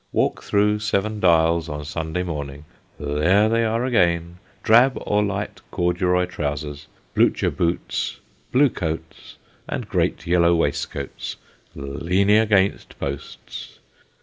Walk through Seven Dials on Sunday The Dials in general. 53 morning: there they are again, drab or light corduroy trousers, Blucher boots, blue coats, and great yellow waistcoats, leaning against posts.